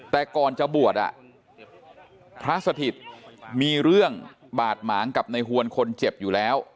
แต่ก่อนจะบวชพระสถิตมีเรื่องบาดหมางกับในหวนคนเจ็บอยู่แล้ว